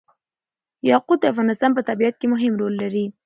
یاقوت د افغانستان په طبیعت کې مهم رول لري.